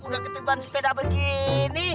udah ketemuan sepeda begini